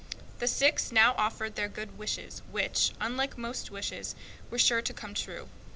The fairies now offered their good wishes, which, unlike most wishes, were sure to come true.